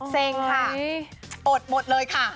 เซ็งค่ะอดหมดเลยค่ะ